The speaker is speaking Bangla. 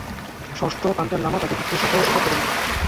ষষ্ঠ পাঞ্চেন লামা তাকে ভিক্ষুর শপথ প্রদান করেন।